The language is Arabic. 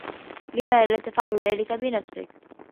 لم لا تفعل ذلك بنفسك؟